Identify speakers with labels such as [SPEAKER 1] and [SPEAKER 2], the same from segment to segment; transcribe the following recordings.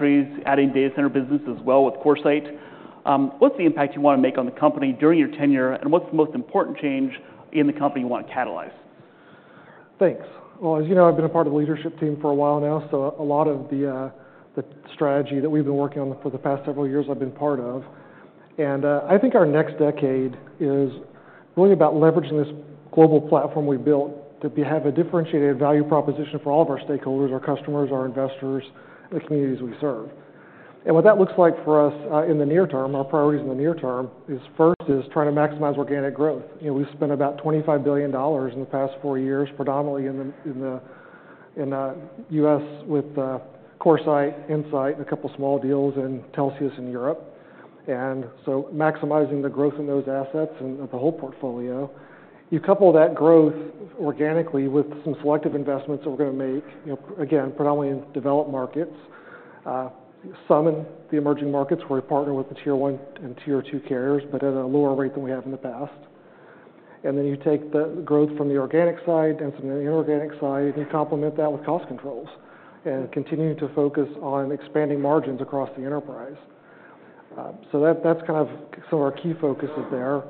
[SPEAKER 1] Adding data center business as well with CoreSite. What's the impact you want to make on the company during your tenure, and what's the most important change in the company you want to catalyze?
[SPEAKER 2] Thanks. Well, as you know, I've been a part of the leadership team for a while now, so a lot of the strategy that we've been working on for the past several years, I've been part of. And I think our next decade is really about leveraging this global platform we've built, to have a differentiated value proposition for all of our stakeholders, our customers, our investors, the communities we serve. And what that looks like for us, in the near term, our priorities in the near term, is first, trying to maximize organic growth. You know, we've spent about $25 billion in the past four years, predominantly in the U.S., with CoreSite, InSite, and a couple of small deals in Telxius in Europe. And so maximizing the growth in those assets and the whole portfolio. You couple that growth organically with some selective investments that we're gonna make, you know, again, predominantly in developed markets, some in the emerging markets, where we partner with the Tier 1 and Tier 2 carriers, but at a lower rate than we have in the past, and then you take the growth from the organic side and from the inorganic side, and you complement that with cost controls and continuing to focus on expanding margins across the enterprise, so that's kind of some of our key focuses there.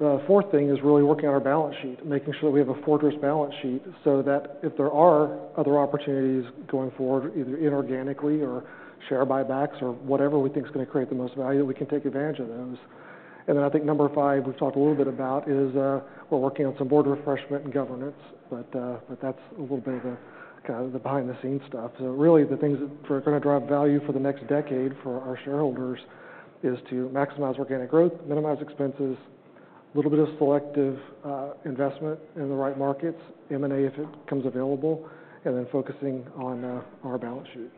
[SPEAKER 2] The fourth thing is really working on our balance sheet, making sure we have a fortress balance sheet, so that if there are other opportunities going forward, either inorganically or share buybacks or whatever we think is gonna create the most value, we can take advantage of those. I think number five, we've talked a little bit about, is we're working on some board refreshment and governance, but that's a little bit of the kind of behind-the-scenes stuff. Really, the things that are gonna drive value for the next decade for our shareholders is to maximize organic growth, minimize expenses, a little bit of selective investment in the right markets, M&A, if it comes available, and then focusing on our balance sheet.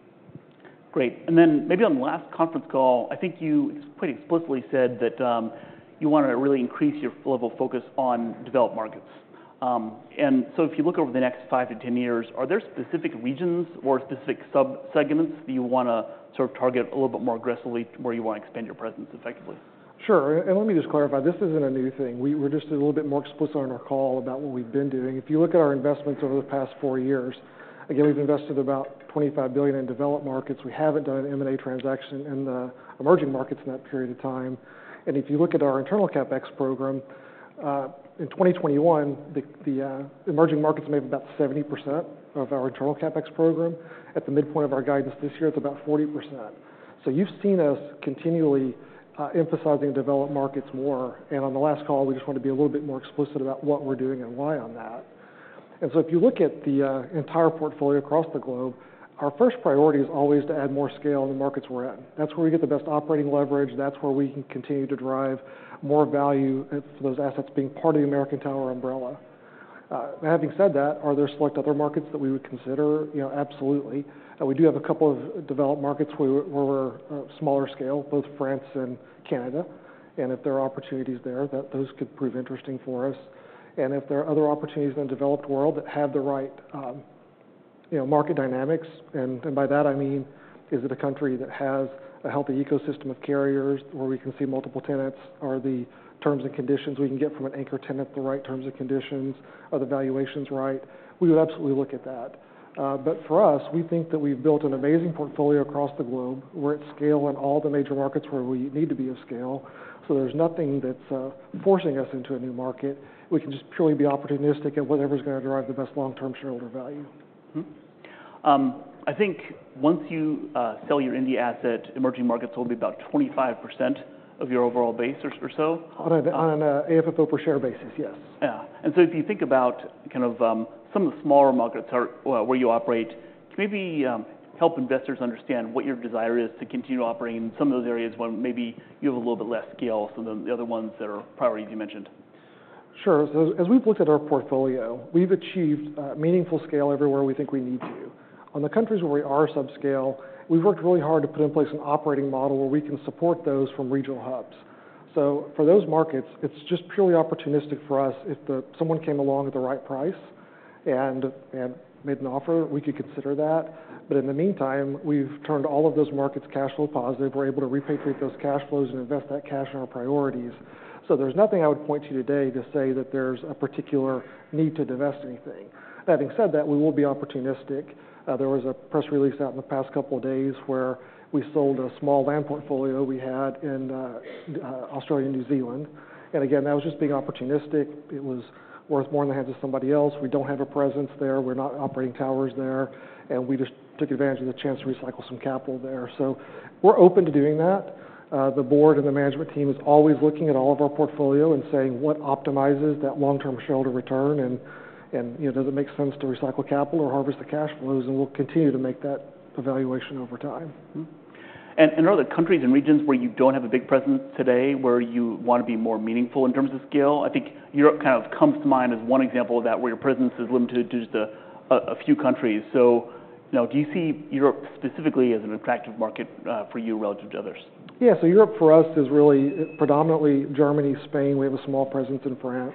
[SPEAKER 2] Great. And then maybe on the last conference call, I think you pretty explicitly said that, you wanted to really increase your level of focus on developed markets. And so if you look over the next five to 10 years, are there specific regions or specific subsegments that you wanna sort of target a little bit more aggressively, where you want to expand your presence effectively? Sure. And let me just clarify, this isn't a new thing. We were just a little bit more explicit on our call about what we've been doing. If you look at our investments over the past four years, again, we've invested about $25 billion in developed markets. We haven't done an M&A transaction in the emerging markets in that period of time. And if you look at our internal CapEx program, in 2021, the emerging markets made up about 70% of our internal CapEx program. At the midpoint of our guidance this year, it's about 40%. So you've seen us continually emphasizing developed markets more, and on the last call, we just wanted to be a little bit more explicit about what we're doing and why on that. And so if you look at the entire portfolio across the globe, our first priority is always to add more scale in the markets we're in. That's where we get the best operating leverage. That's where we can continue to drive more value as to those assets being part of the American Tower umbrella. Having said that, are there select other markets that we would consider? You know, absolutely. And we do have a couple of developed markets where we're smaller scale, both France and Canada, and if there are opportunities there, those could prove interesting for us. And if there are other opportunities in the developed world that have the right, you know, market dynamics, and by that, I mean, is it a country that has a healthy ecosystem of carriers, where we can see multiple tenants? Are the terms and conditions we can get from an anchor tenant, the right terms and conditions? Are the valuations right? We would absolutely look at that. But for us, we think that we've built an amazing portfolio across the globe. We're at scale in all the major markets where we need to be of scale. So there's nothing that's forcing us into a new market. We can just purely be opportunistic at whatever's gonna derive the best long-term shareholder value. Mm-hmm. I think once you sell your India asset, emerging markets will be about 25% of your overall base or so. On an AFFO per share basis, yes. Yeah, and so if you think about kind of some of the smaller markets where you operate, can you maybe help investors understand what your desire is to continue operating in some of those areas when maybe you have a little bit less scale than the other ones that are priorities you mentioned? Sure. So as we've looked at our portfolio, we've achieved meaningful scale everywhere we think we need to. On the countries where we are subscale, we've worked really hard to put in place an operating model where we can support those from regional hubs. So for those markets, it's just purely opportunistic for us. If someone came along at the right price and made an offer, we could consider that. But in the meantime, we've turned all of those markets cash flow positive. We're able to repatriate those cash flows and invest that cash in our priorities. So there's nothing I would point to you today to say that there's a particular need to divest anything. Having said that, we will be opportunistic. There was a press release out in the past couple of days where we sold a small land portfolio we had in Australia and New Zealand, and again, that was just being opportunistic. It was worth more in the hands of somebody else. We don't have a presence there. We're not operating towers there, and we just took advantage of the chance to recycle some capital there. So we're open to doing that. The board and the management team is always looking at all of our portfolio and saying: What optimizes that long-term shareholder return? And, you know, does it make sense to recycle capital or harvest the cash flows? And we'll continue to make that evaluation over time. Mm-hmm. Are the countries and regions where you don't have a big presence today, where you want to be more meaningful in terms of scale? I think Europe kind of comes to mind as one example of that, where your presence is limited to just a few countries. You know, do you see Europe specifically as an attractive market for you relative to others? Yeah. So Europe, for us, is really predominantly Germany, Spain. We have a small presence in France.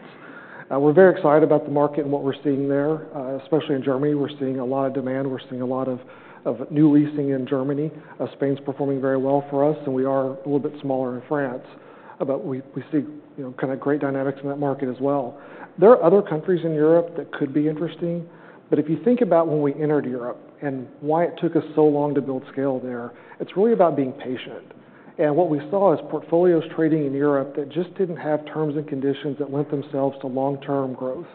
[SPEAKER 2] We're very excited about the market and what we're seeing there, especially in Germany. We're seeing a lot of demand. We're seeing a lot of new leasing in Germany. Spain's performing very well for us, and we are a little bit smaller in France, but we see, you know, kind of great dynamics in that market as well. There are other countries in Europe that could be interesting, but if you think about when we entered Europe and why it took us so long to build scale there, it's really about being patient. And what we saw is portfolios trading in Europe that just didn't have terms and conditions that lent themselves to long-term growth.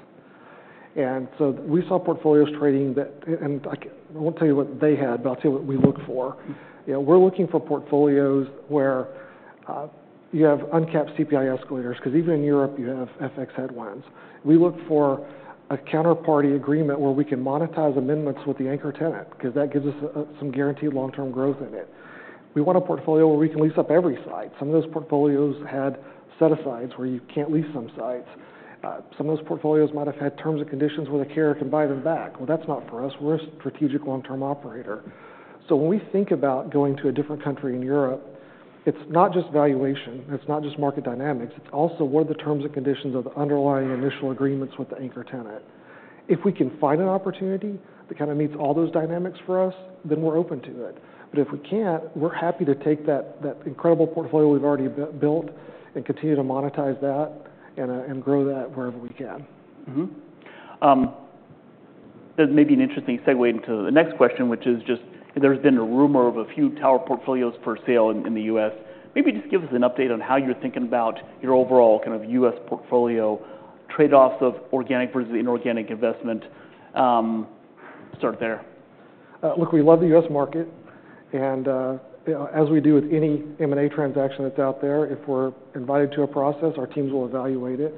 [SPEAKER 2] And so we saw portfolios trading that and I won't tell you what they had, but I'll tell you what we look for. You know, we're looking for portfolios where you have uncapped CPI escalators, 'cause even in Europe, you have FX headwinds. We look for a counterparty agreement where we can monetize amendments with the anchor tenant, 'cause that gives us some guaranteed long-term growth in it. We want a portfolio where we can lease up every site. Some of those portfolios had set-asides where you can't lease some sites. Some of those portfolios might have had terms and conditions where the carrier can buy them back, well, that's not for us. We're a strategic long-term operator. So when we think about going to a different country in Europe, it's not just valuation, and it's not just market dynamics, it's also what are the terms and conditions of the underlying initial agreements with the anchor tenant? If we can find an opportunity that kind of meets all those dynamics for us, then we're open to it. But if we can't, we're happy to take that incredible portfolio we've already built and continue to monetize that and grow that wherever we can. Mm-hmm. That may be an interesting segue into the next question, which is just, there's been a rumor of a few tower portfolios for sale in the U.S. Maybe just give us an update on how you're thinking about your overall kind of U.S. portfolio trade-offs of organic versus inorganic investment. Start there. Look, we love the U.S. market, and, you know, as we do with any M&A transaction that's out there, if we're invited to a process, our teams will evaluate it.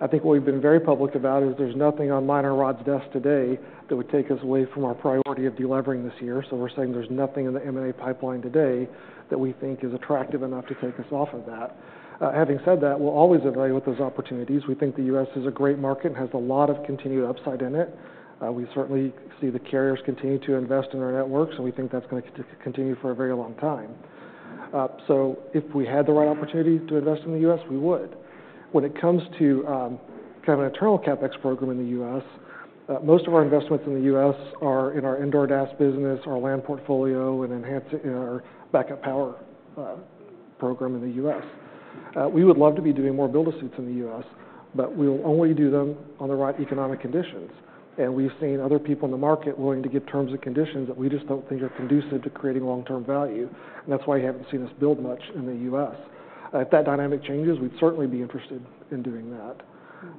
[SPEAKER 2] I think what we've been very public about is there's nothing on mine or Rod's desk today that would take us away from our priority of delevering this year. So we're saying there's nothing in the M&A pipeline today that we think is attractive enough to take us off of that. Having said that, we'll always evaluate those opportunities. We think the U.S. is a great market and has a lot of continued upside in it. We certainly see the carriers continue to invest in our network, so we think that's gonna continue for a very long time. So if we had the right opportunity to invest in the U.S., we would. When it comes to kind of internal CapEx program in the U.S., most of our investments in the U.S. are in our indoor DAS business, our land portfolio, and enhancing our backup power program in the U.S. We would love to be doing more build-to-suits in the U.S., but we'll only do them on the right economic conditions, and we've seen other people in the market willing to give terms and conditions that we just don't think are conducive to creating long-term value, and that's why you haven't seen us build much in the U.S. If that dynamic changes, we'd certainly be interested in doing that,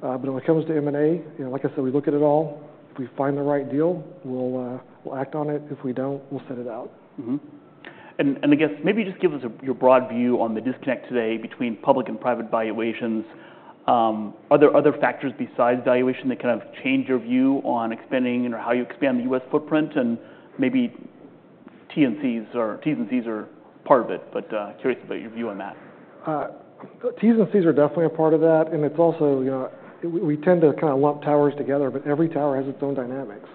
[SPEAKER 2] but when it comes to M&A, you know, like I said, we look at it all. If we find the right deal, we'll act on it. If we don't, we'll sit it out. Mm-hmm. And I guess maybe just give us your broad view on the disconnect today between public and private valuations. Are there other factors besides valuation that kind of change your view on expanding or how you expand the US footprint? And maybe T&Cs or T's and C's are part of it, but curious about your view on that. T's and C's are definitely a part of that, and it's also, you know, we tend to kind of lump towers together, but every tower has its own dynamics.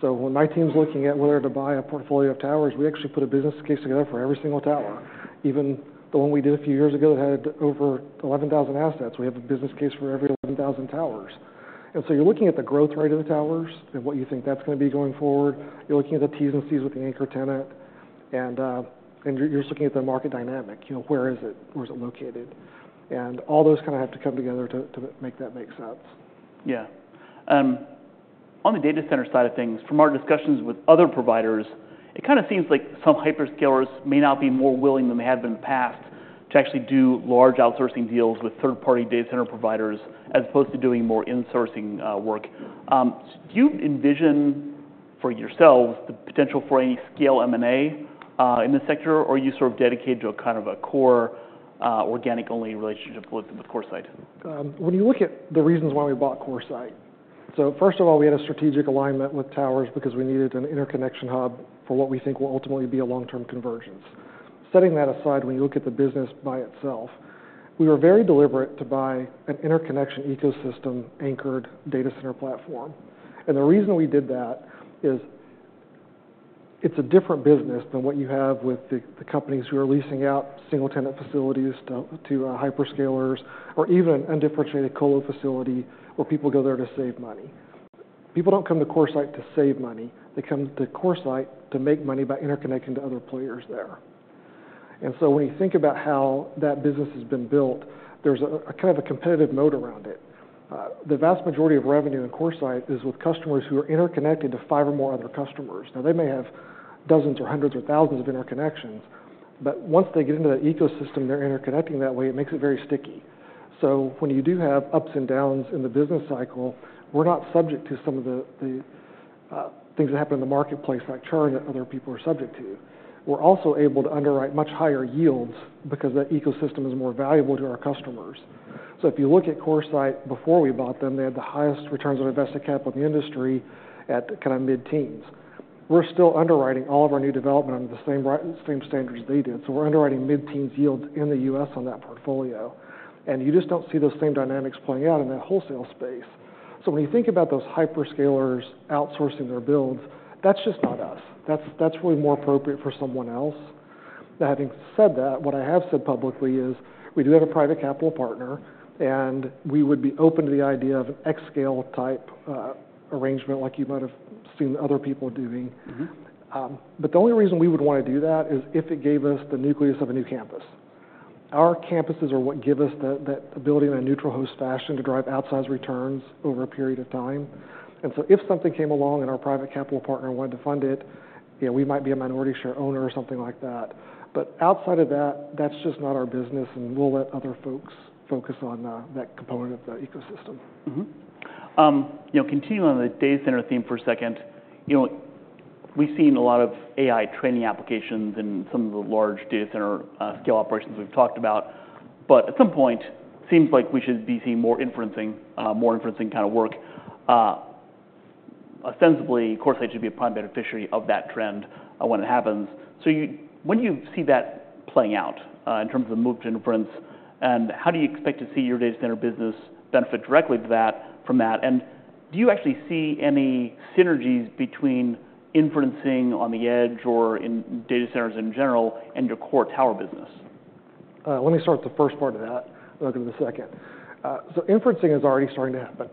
[SPEAKER 2] So when my team's looking at whether to buy a portfolio of towers, we actually put a business case together for every single tower. Even the one we did a few years ago that had over 11,000 assets, we have a business case for every 11,000 towers, and so you're looking at the growth rate of the towers and what you think that's gonna be going forward. You're looking at the T's and C's with the anchor tenant, and you're just looking at the market dynamic, you know, where is it? Where is it located, and all those kind of have to come together to make that make sense. Yeah. On the data center side of things, from our discussions with other providers, it kind of seems like some hyperscalers may not be more willing than they have been in the past to actually do large outsourcing deals with third-party data center providers, as opposed to doing more insourcing, work. Do you envision for yourselves the potential for any scale M&A in this sector? Or are you sort of dedicated to a kind of a core, organic-only relationship with CoreSite? When you look at the reasons why we bought CoreSite, so first of all, we had a strategic alignment with towers because we needed an interconnection hub for what we think will ultimately be a long-term convergence. Setting that aside, when you look at the business by itself, we were very deliberate to buy an interconnection ecosystem-anchored data center platform. And the reason we did that is it's a different business than what you have with the companies who are leasing out single-tenant facilities to hyperscalers, or even undifferentiated colo facility, where people go there to save money. People don't come to CoreSite to save money, they come to CoreSite to make money by interconnecting to other players there. And so when you think about how that business has been built, there's a kind of competitive mode around it. The vast majority of revenue in CoreSite is with customers who are interconnected to five or more other customers. Now, they may have dozens or hundreds or thousands of interconnections, but once they get into that ecosystem, they're interconnecting that way, it makes it very sticky, so when you do have ups and downs in the business cycle, we're not subject to some of the things that happen in the marketplace, like churn, that other people are subject to. We're also able to underwrite much higher yields because that ecosystem is more valuable to our customers, so if you look at CoreSite, before we bought them, they had the highest returns on invested capital in the industry at kind of mid-teens. We're still underwriting all of our new development under the same same standards they did, so we're underwriting mid-teens yields in the U.S. on that portfolio, and you just don't see those same dynamics playing out in that wholesale space. So when you think about those hyperscalers outsourcing their builds, that's just not us. That's, that's really more appropriate for someone else. Now, having said that, what I have said publicly is, we do have a private capital partner, and we would be open to the idea of an xScale-type arrangement like you might have seen other people doing But the only reason we would want to do that is if it gave us the nucleus of a new campus. Our campuses are what give us the ability in a neutral host fashion to drive outsized returns over a period of time. And so if something came along and our private capital partner wanted to fund it, you know, we might be a minority share owner or something like that. But outside of that, that's just not our business, and we'll let other folks focus on that component of the ecosystem. Mm-hmm. You know, continuing on the data center theme for a second, you know, we've seen a lot of AI training applications in some of the large data center, scale operations we've talked about, but at some point, seems like we should be seeing more inferencing, more inferencing kind of work. Ostensibly, CoreSite should be a prime beneficiary of that trend, when it happens. So you, when do you see that playing out, in terms of the move to inference, and how do you expect to see your data center business benefit directly to that, from that? And do you actually see any synergies between inferencing on the edge or in data centers in general and your core tower business? Let me start with the first part of that, and I'll get to the second. So inferencing is already starting to happen,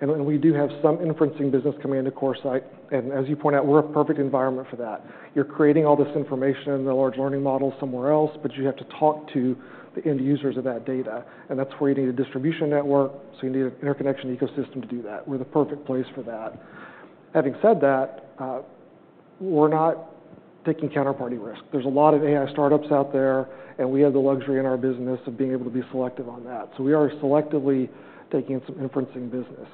[SPEAKER 2] and we do have some inferencing business coming into CoreSite, and as you point out, we're a perfect environment for that. You're creating all this information in the large language model somewhere else, but you have to talk to the end users of that data, and that's where you need a distribution network, so you need an interconnection ecosystem to do that. We're the perfect place for that. Having said that, we're not taking counterparty risk. There's a lot of AI startups out there, and we have the luxury in our business of being able to be selective on that, so we are selectively taking some inferencing business.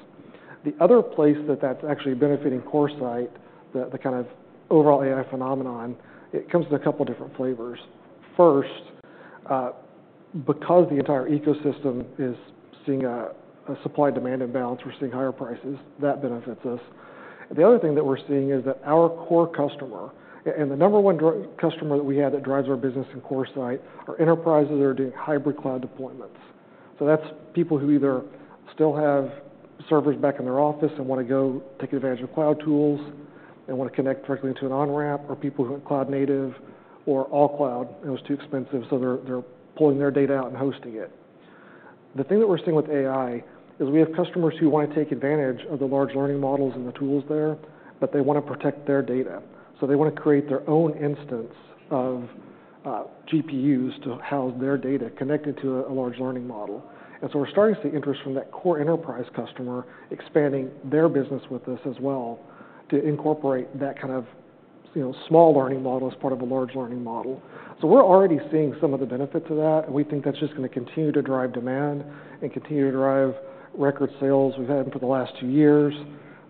[SPEAKER 2] The other place that that's actually benefiting CoreSite, the kind of overall AI phenomenon, it comes in a couple different flavors. First, because the entire ecosystem is seeing a supply-demand imbalance, we're seeing higher prices. That benefits us. The other thing that we're seeing is that our core customer, and the number one driver customer that we have that drives our business in CoreSite, are enterprises that are doing hybrid cloud deployments. So that's people who either still have servers back in their office and want to go take advantage of cloud tools and want to connect directly into an on-ramp, or people who are cloud native or all cloud, and it was too expensive, so they're pulling their data out and hosting it. The thing that we're seeing with AI is we have customers who want to take advantage of the large language models and the tools there, but they want to protect their data. So they want to create their own instance of GPUs to house their data connected to a large language model. And so we're starting to see interest from that core enterprise customer expanding their business with us as well, to incorporate that kind of, you know, small language model as part of a large language model. So we're already seeing some of the benefit to that, and we think that's just going to continue to drive demand and continue to drive record sales we've had for the last two years.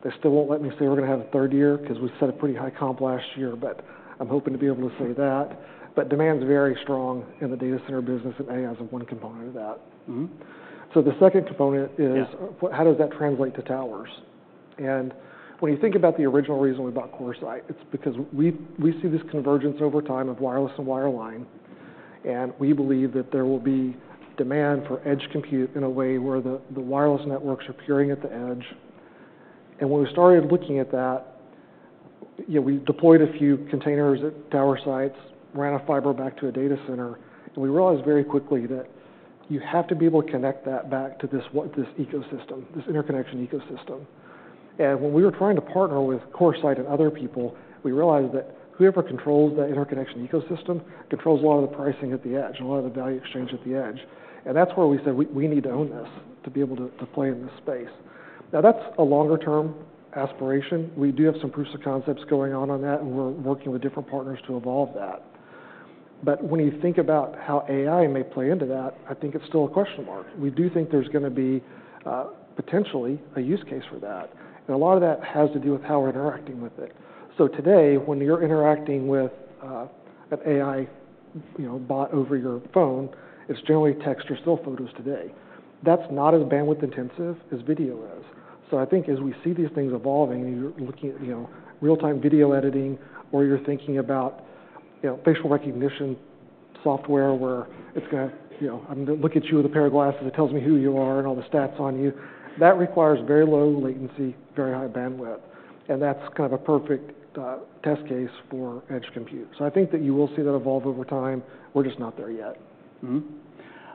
[SPEAKER 2] They still won't let me say we're going to have a third year, 'cause we set a pretty high comp last year, but I'm hoping to be able to say that. But demand's very strong in the data center business, and AI is one component of that. Mm-hmm. So the second component is, how does that translate to towers? And when you think about the original reason we bought CoreSite, it's because we see this convergence over time of wireless and wireline, and we believe that there will be demand for edge compute in a way where the wireless networks are appearing at the edge. And when we started looking at that, you know, we deployed a few containers at tower sites, ran a fiber back to a data center, and we realized very quickly that you have to be able to connect that back to this ecosystem, this interconnection ecosystem. And when we were trying to partner with CoreSite and other people, we realized that whoever controls the interconnection ecosystem controls a lot of the pricing at the edge and a lot of the value exchange at the edge. That's where we said, "We need to own this to be able to play in this space." Now, that's a longer-term aspiration. We do have some proofs of concepts going on that, and we're working with different partners to evolve that. But when you think about how AI may play into that, I think it's still a question mark. We do think there's gonna be potentially a use case for that, and a lot of that has to do with how we're interacting with it. So today, when you're interacting with an AI, you know, bot over your phone, it's generally text or still photos today. That's not as bandwidth-intensive as video is. So I think as we see these things evolving, and you're looking at, you know, real-time video editing, or you're thinking about, you know, facial recognition software, where it's gonna, you know, I'm gonna look at you with a pair of glasses, and it tells me who you are and all the stats on you, that requires very low latency, very high bandwidth, and that's kind of a perfect test case for edge compute. So I think that you will see that evolve over time. We're just not there yet. Mm-hmm.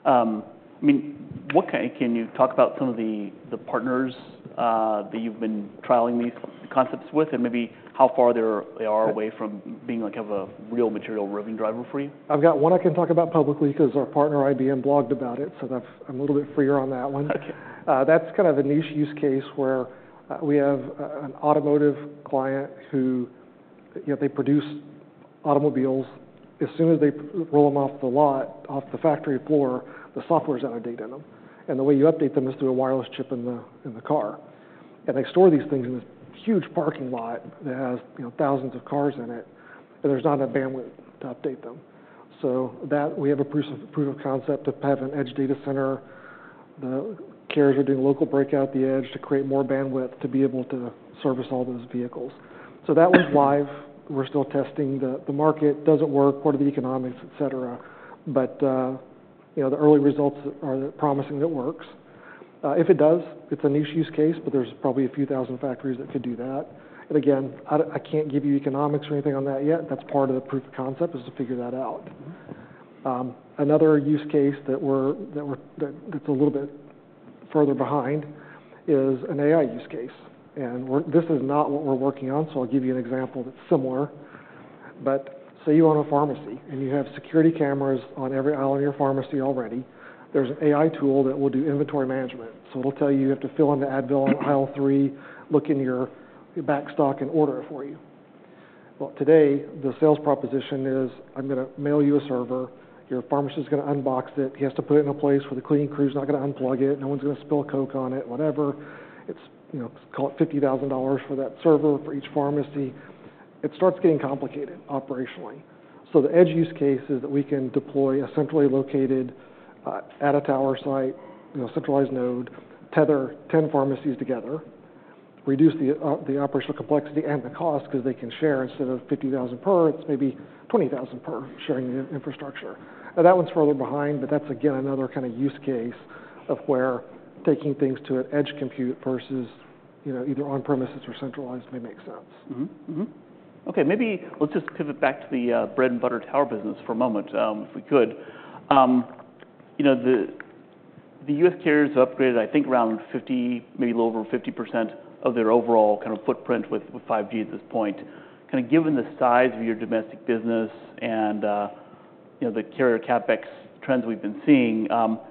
[SPEAKER 2] I mean, what can you talk about some of the partners that you've been trialing these concepts with, and maybe how far they are away from being, like, kind of a real material revenue driver for you? I've got one I can talk about publicly because our partner, IBM, blogged about it, so that's, I'm a little bit freer on that one That's kind of a niche use case where we have an automotive client who, you know, they produce automobiles. As soon as they roll them off the lot, off the factory floor, the software's out of date in them, and the way you update them is through a wireless chip in the car. And they store these things in this huge parking lot that has, you know, thousands of cars in it, and there's not enough bandwidth to update them. So that, we have a proof of concept to have an edge data center. The carriers are doing local breakout at the edge to create more bandwidth to be able to service all those vehicles. So that is live. We're still testing the market. Does it work? What are the economics, et cetera? But, you know, the early results are promising. It works. If it does, it's a niche use case, but there's probably a few thousand factories that could do that. And again, I can't give you economics or anything on that yet. That's part of the proof of concept, is to figure that out. Another use case that's a little bit further behind is an AI use case, and this is not what we're working on, so I'll give you an example that's similar. But say you own a pharmacy, and you have security cameras on every aisle in your pharmacy already. There's an AI tool that will do inventory management, so it'll tell you, you have to fill in the Advil on aisle three, look in your back stock, and order it for you. Today, the sales proposition is, I'm gonna mail you a server, your pharmacist is gonna unbox it. He has to put it in a place where the cleaning crew is not gonna unplug it, no one's gonna spill Coke on it, whatever. It's, you know, call it $50,000 for that server for each pharmacy. It starts getting complicated operationally. So the edge use case is that we can deploy a centrally located, at a tower site, you know, centralized node, tether ten pharmacies together, reduce the the operational complexity and the cost because they can share. Instead of $50,000 per, it's maybe $20,000 per, sharing the infrastructure. Now, that one's further behind, but that's, again, another kind of use case of where taking things to an edge compute versus, you know, either on-premises or centralized may make sense. Okay, maybe let's just pivot back to the bread-and-butter tower business for a moment, if we could. You know, the U.S. carriers have upgraded, I think, around 50%, maybe a little over 50% of their overall kind of footprint with 5G at this point. Kind of given the size of your domestic business and you know, the carrier CapEx trends we've been seeing,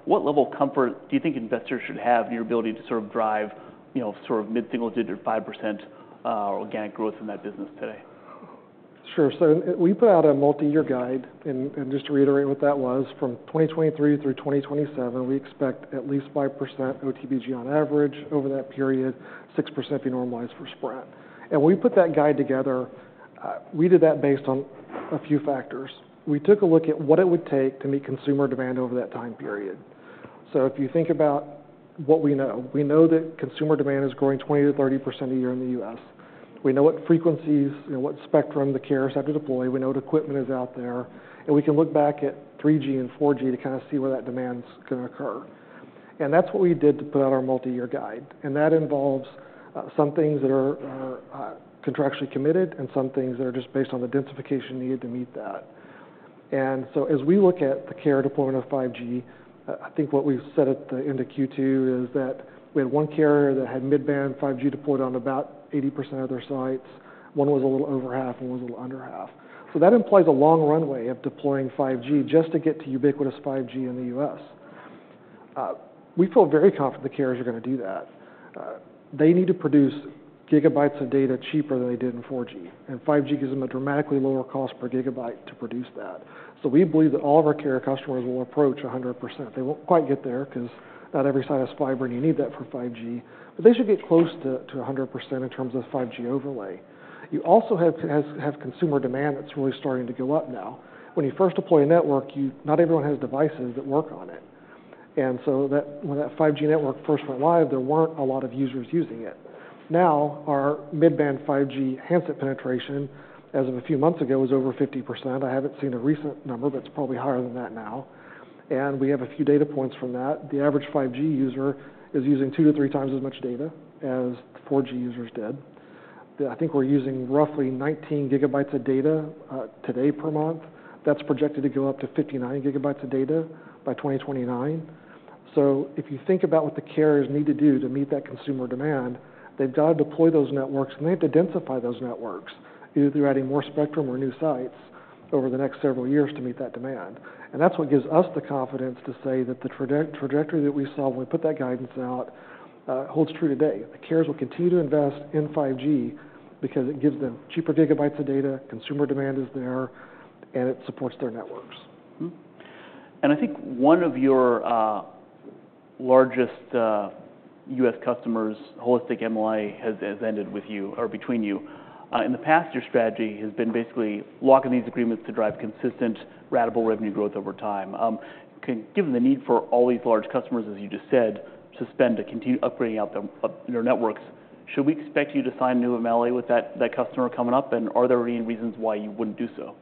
[SPEAKER 2] what level of comfort do you think investors should have in your ability to sort of drive you know, sort of mid-single digit or 5% organic growth in that business today? Sure. So we put out a multi-year guide, and just to reiterate what that was, from 2023 through 2027, we expect at least 5% OTBG on average over that period, 6% if you normalize for spread, and when we put that guide together, we did that based on a few factors. We took a look at what it would take to meet consumer demand over that time period, so if you think about what we know, we know that consumer demand is growing 20%-30% a year in the US. We know what frequencies and what spectrum the carriers have to deploy. We know what equipment is out there, and we can look back at 3G and 4G to kind of see where that demand's gonna occur. That's what we did to put out our multi-year guide, and that involves some things that are contractually committed and some things that are just based on the densification needed to meet that. So as we look at the carrier deployment of 5G, I think what we've said at the end of Q2 is that we had one carrier that had mid-band 5G deployed on about 80% of their sites. One was a little over half, and one was a little under half. So that implies a long runway of deploying 5G just to get to ubiquitous 5G in the U.S. We feel very confident the carriers are gonna do that. They need to produce gigabytes of data cheaper than they did in 4G, and 5G gives them a dramatically lower cost per gigabyte to produce that. We believe that all of our carrier customers will approach 100%. They won't quite get there 'cause not every site has fiber, and you need that for 5G. But they should get close to a 100% in terms of 5G overlay. You also have consumer demand that's really starting to go up now. When you first deploy a network, you not everyone has devices that work on it. And so that, when that 5G network first went live, there weren't a lot of users using it. Now, our mid-band 5G handset penetration, as of a few months ago, was over 50%. I haven't seen a recent number, but it's probably higher than that now, and we have a few data points from that. The average 5G user is using two to three times as much data as 4G users did. I think we're using roughly 19 GB of data today per month. That's projected to go up to 59 GB of data by 2029. So if you think about what the carriers need to do to meet that consumer demand, they've got to deploy those networks, and they have to densify those networks, either through adding more spectrum or new sites over the next several years to meet that demand. And that's what gives us the confidence to say that the trajectory that we saw when we put that guidance out holds true today. The carriers will continue to invest in 5G because it gives them cheaper gigabytes of data, consumer demand is there, and it supports their networks. Mm-hmm. And I think one of your largest U.S. customers, its MLA, has ended with you or between you. In the past, your strategy has been basically locking these agreements to drive consistent ratable revenue growth over time. Given the need for all these large customers, as you just said, to spend, to continue upgrading out the their networks, should we expect you to sign new MLA with that customer coming up? And are there any reasons why you wouldn't do so?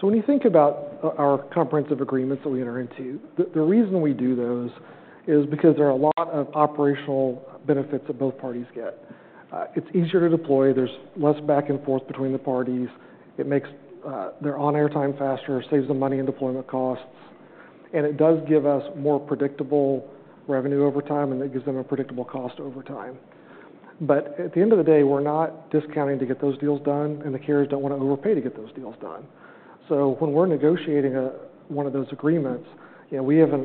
[SPEAKER 2] So when you think about our comprehensive agreements that we enter into, the reason we do those is because there are a lot of operational benefits that both parties get. It's easier to deploy, there's less back and forth between the parties. It makes their on-air time faster, saves them money in deployment costs, and it does give us more predictable revenue over time, and it gives them a predictable cost over time. But at the end of the day, we're not discounting to get those deals done, and the carriers don't want to overpay to get those deals done. So when we're negotiating one of those agreements, you know, we have a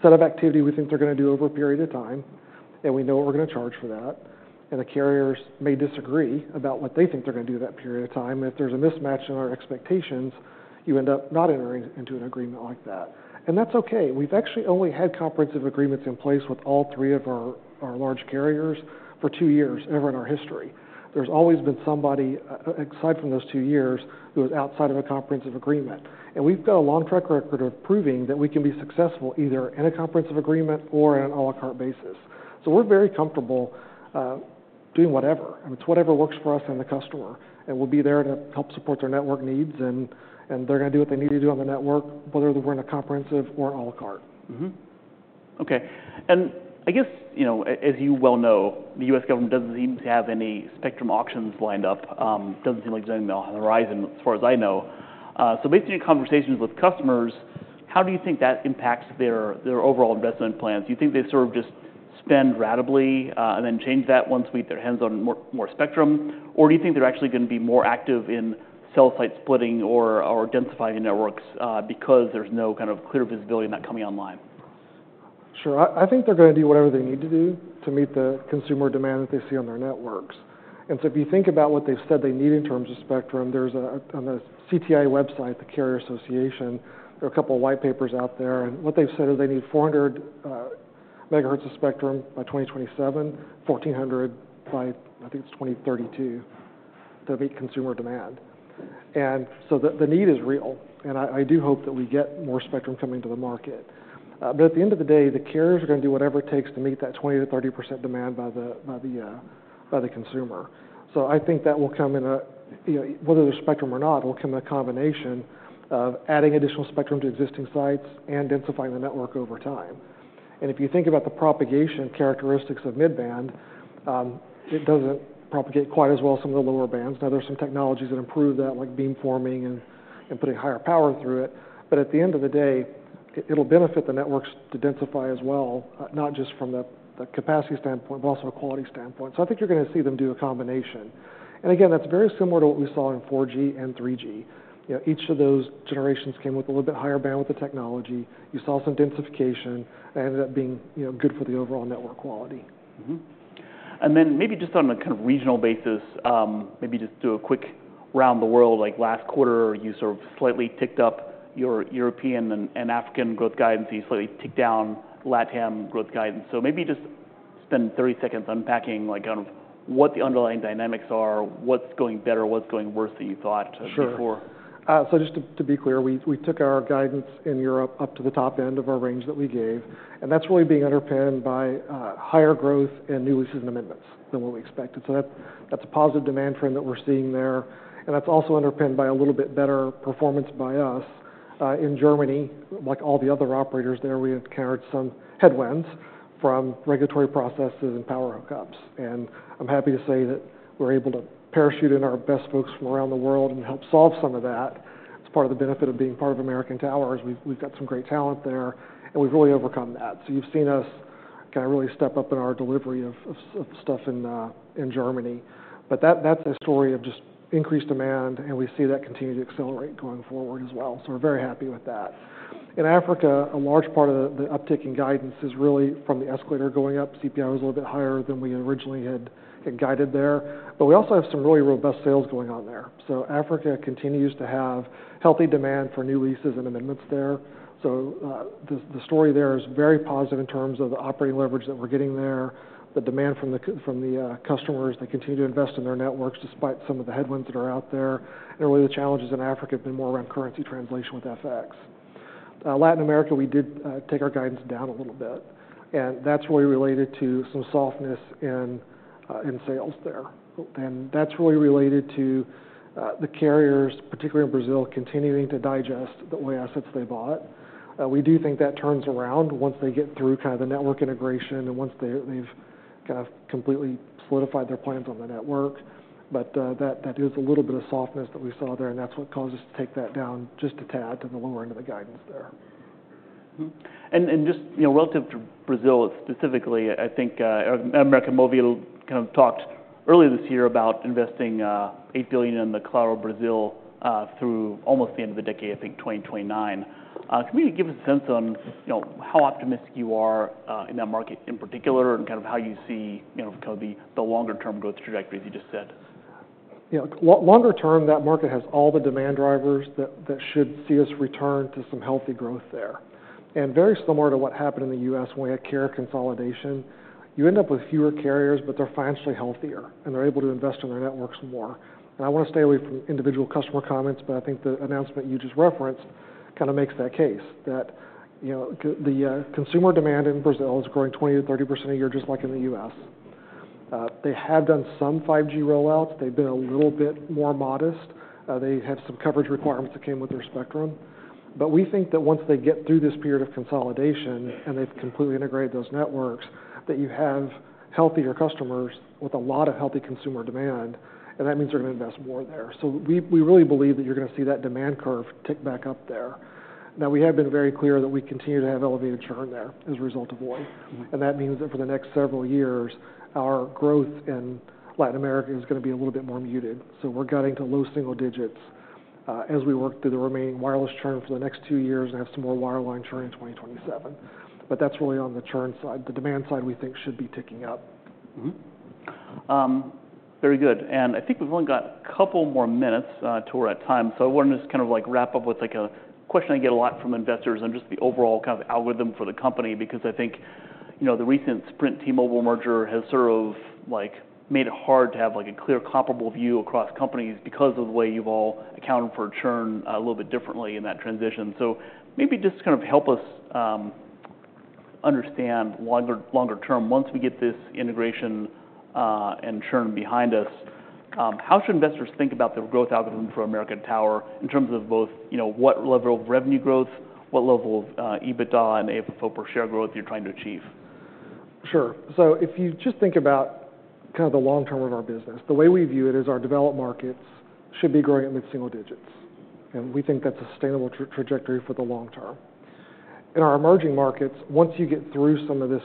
[SPEAKER 2] set of activity we think they're gonna do over a period of time, and we know what we're gonna charge for that, and the carriers may disagree about what they think they're gonna do in that period of time. And if there's a mismatch in our expectations, you end up not entering into an agreement like that, and that's okay. We've actually only had comprehensive agreements in place with all three of our large carriers for two years, ever in our history. There's always been somebody aside from those two years who is outside of a comprehensive agreement. And we've got a long track record of proving that we can be successful, either in a comprehensive agreement or on an à la carte basis. So we're very comfortable doing whatever. It's whatever works for us and the customer, and we'll be there to help support their network needs, and they're gonna do what they need to do on the network, whether we're in a comprehensive or an à la carte. Mm-hmm. Okay, and I guess, you know, as you well know, the U.S. government doesn't seem to have any spectrum auctions lined up. Doesn't seem like there's anything on the horizon, as far as I know. So basically in conversations with customers, how do you think that impacts their, their overall investment plans? Do you think they sort of just spend ratably, and then change that once we get their hands on more, more spectrum? Or do you think they're actually gonna be more active in cell site splitting or, or densifying the networks, because there's no kind of clear visibility of that coming online? Sure. I think they're gonna do whatever they need to do to meet the consumer demand that they see on their networks. And so if you think about what they've said they need in terms of spectrum, there's on the CTIA website, the Carrier Association, there are a couple of white papers out there, and what they've said is they need 400 MHz of spectrum by 2027, 1,400 MHz by, I think it's 2032, to meet consumer demand. And so the need is real, and I do hope that we get more spectrum coming to the market. But at the end of the day, the carriers are gonna do whatever it takes to meet that 20%-30% demand by the consumer. So I think that will come in a, you know, whether there's spectrum or not, will come in a combination of adding additional spectrum to existing sites and densifying the network over time. And if you think about the propagation characteristics of mid-band, it doesn't propagate quite as well as some of the lower bands. Now, there are some technologies that improve that, like beamforming and putting higher power through it, but at the end of the day, it, it'll benefit the networks to densify as well, not just from the, the capacity standpoint, but also a quality standpoint. So I think you're gonna see them do a combination. And again, that's very similar to what we saw in 4G and 3G. You know, each of those generations came with a little bit higher bandwidth of technology. You saw some densification, and ended up being, you know, good for the overall network quality. Mm-hmm. And then maybe just on a kind of regional basis, maybe just do a quick round the world. Like last quarter, you sort of slightly ticked up your European and African growth guidance, you slightly ticked down LatAm growth guidance. So maybe just spend thirty seconds unpacking, like, kind of what the underlying dynamics are, what's going better, what's going worse than you thought before? Sure. So just to be clear, we took our guidance in Europe up to the top end of our range that we gave, and that's really being underpinned by higher growth and new leases and amendments than what we expected. So that's a positive demand trend that we're seeing there, and that's also underpinned by a little bit better performance by us. In Germany, like all the other operators there, we encountered some headwinds from regulatory processes and power outcomes, and I'm happy to say that we're able to parachute in our best folks from around the world and help solve some of that. It's part of the benefit of being part of American Towers. We've got some great talent there, and we've really overcome that. You've seen us kind of really step up in our delivery of stuff in Germany. That's a story of just increased demand, and we see that continue to accelerate going forward as well, so we're very happy with that. In Africa, a large part of the uptick in guidance is really from the escalator going up. CPI was a little bit higher than we originally had guided there, but we also have some really robust sales going on there. Africa continues to have healthy demand for new leases and amendments there. The story there is very positive in terms of the operating leverage that we're getting there, the demand from the customers. They continue to invest in their networks despite some of the headwinds that are out there. And really, the challenges in Africa have been more around currency translation with FX. Latin America, we did take our guidance down a little bit, and that's really related to some softness in sales there. And that's really related to the carriers, particularly in Brazil, continuing to digest the Oi assets they bought. We do think that turns around once they get through kind of the network integration and once they have kind of completely solidified their plans on the network. But that is a little bit of softness that we saw there, and that's what caused us to take that down just a tad to the lower end of the guidance there. Mm-hmm. And just, you know, relative to Brazil specifically, I think América Móvil kind of talked earlier this year about investing $8 billion in Claro Brazil through almost the end of the decade, I think 2029. Can you give us a sense on, you know, how optimistic you are in that market in particular, and kind of how you see, you know, kind of the longer term growth trajectory, as you just said? You know, longer term, that market has all the demand drivers that should see us return to some healthy growth there. And very similar to what happened in the U.S., when we had carrier consolidation, you end up with fewer carriers, but they're financially healthier, and they're able to invest in their networks more. And I wanna stay away from individual customer comments, but I think the announcement you just referenced kind of makes that case, that you know the consumer demand in Brazil is growing 20%-30% a year, just like in the U.S. They have done some 5G rollouts. They've been a little bit more modest. They have some coverage requirements that came with their spectrum. But we think that once they get through this period of consolidation and they've completely integrated those networks, that you have healthier customers with a lot of healthy consumer demand, and that means they're gonna invest more there. So we, we really believe that you're gonna see that demand curve tick back up there. Now, we have been very clear that we continue to have elevated churn there as a result of Oi, and that means that for the next several years, our growth in Latin America is gonna be a little bit more muted. So we're cutting to low single digits, as we work through the remaining wireless churn for the next two years and have some more wireline churn in 2027. But that's really on the churn side. The demand side, we think, should be ticking up. Very good. And I think we've only got a couple more minutes till we're at time. So I wanted to just kind of, like, wrap up with, like, a question I get a lot from investors and just the overall kind of algorithm for the company, because I think, you know, the recent Sprint-T-Mobile merger has sort of, like, made it hard to have, like, a clear, comparable view across companies because of the way you've all accounted for churn a little bit differently in that transition. So maybe just kind of help us understand longer term, once we get this integration and churn behind us, how should investors think about the growth algorithm for American Tower in terms of both, you know, what level of revenue growth, what level of EBITDA and AFFO per share growth you're trying to achieve? Sure. So if you just think about kind of the long term of our business, the way we view it is our developed markets should be growing at mid-single digits, and we think that's a sustainable trajectory for the long term. In our emerging markets, once you get through some of this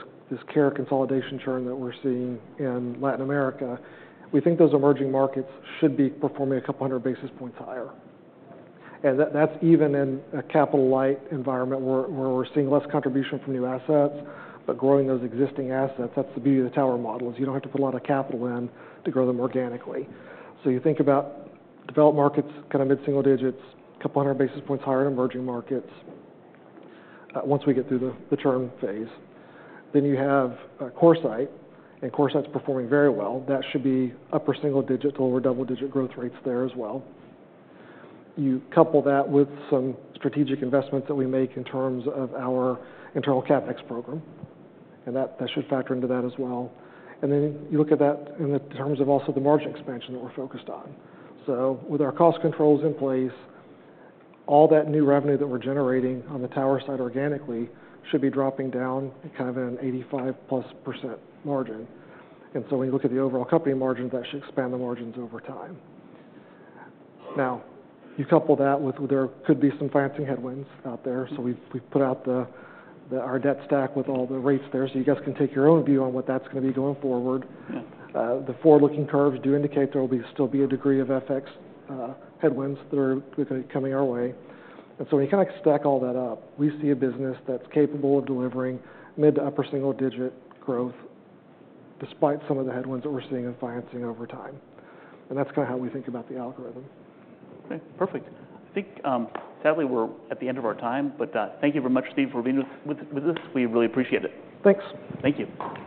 [SPEAKER 2] carrier consolidation churn that we're seeing in Latin America, we think those emerging markets should be performing a couple hundred basis points higher. And that, that's even in a capital-light environment, where we're seeing less contribution from new assets, but growing those existing assets, that's the beauty of the tower model, is you don't have to put a lot of capital in to grow them organically. So you think about developed markets, kind of mid-single digits, couple hundred basis points higher in emerging markets, once we get through the churn phase. You have CoreSite, and CoreSite's performing very well. That should be upper single digit or double-digit growth rates there as well. You couple that with some strategic investments that we make in terms of our internal CapEx program, and that should factor into that as well. Then you look at that in terms of also the margin expansion that we're focused on. With our cost controls in place, all that new revenue that we're generating on the tower side organically should be dropping down at kind of an 85%+ margin. When you look at the overall company margin, that should expand the margins over time. Now, you couple that with there could be some financing headwinds out there, so we've put out our debt stack with all the rates there, so you guys can take your own view on what that's gonna be going forward. The forward-looking curves do indicate there will still be a degree of FX headwinds that are coming our way. And so when you kind of stack all that up, we see a business that's capable of delivering mid to upper single-digit growth, despite some of the headwinds that we're seeing in financing over time. And that's kinda how we think about the algorithm. Okay, perfect. I think, sadly, we're at the end of our time, but, thank you very much, Steve, for being with us. We really appreciate it. Thanks. Thank you.